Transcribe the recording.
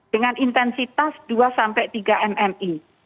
dengan intensitas dua tiga nmi